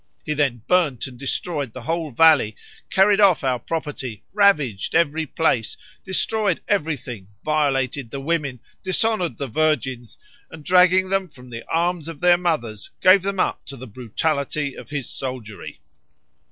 He then burned and destroyed the whole valley, carried off our property, ravaged every place, destroyed everything, violated the women, dishonored the virgins, and dragging them from the arms of their mothers, gave them up to the brutality of his soldiery.